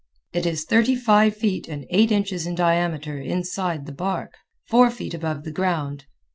It is thirty five feet and eight inches in diameter inside the bark, four feet above the ground.